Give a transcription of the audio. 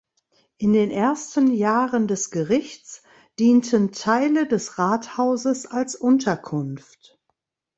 In den ersten Jahren des Gerichts dienten Teile des Rathauses als Unterkunft.